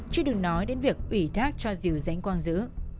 chứ đừng nói đến việc ủy thác cho diều giãnh quang giữ